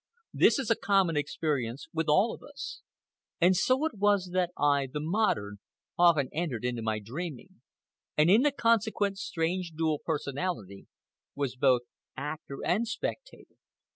This is a common experience with all of us. And so it was that I, the modern, often entered into my dreaming, and in the consequent strange dual personality was both actor and spectator.